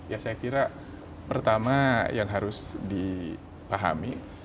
ya saya kira pertama yang harus dipahami